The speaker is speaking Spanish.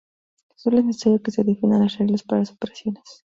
Sólo es necesario que se definen las reglas para las operaciones.